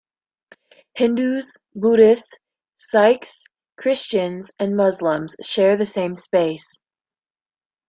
Hindus, Buddhists, Sikhs, Christians, and Muslims share the same space.